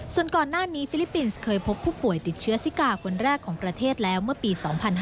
ส่วนก่อนหน้านี้ฟิลิปปินส์เคยพบผู้ป่วยติดเชื้อซิกาคนแรกของประเทศแล้วเมื่อปี๒๕๕๙